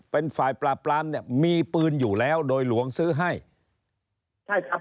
เป็นฝ่ายปราบปรามเนี่ยมีปืนอยู่แล้วโดยหลวงซื้อให้ใช่ครับ